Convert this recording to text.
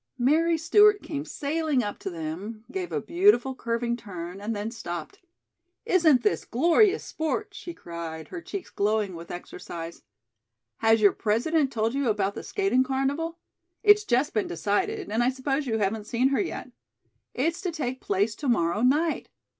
Mary Stewart came sailing up to them, gave a beautiful curving turn and then stopped. "Isn't this glorious sport?" she cried, her cheeks glowing with exercise. "Has your President told you about the skating carnival? It's just been decided, and I suppose you haven't seen her yet. It's to take place to morrow night.